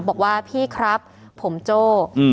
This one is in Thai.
บอกว่าพี่ครับผมโจ้